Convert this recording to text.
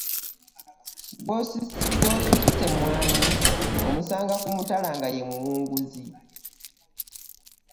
Gw'osussa emmwanyi omusanga ku mutala nga ye muwunguzi.